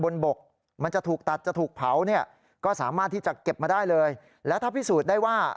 และถ้าพิสูจน์ได้ว่า